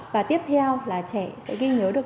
và tiếp theo là trẻ sẽ ghi nhớ được